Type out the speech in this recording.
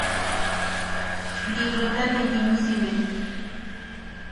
Librota ne jinusime.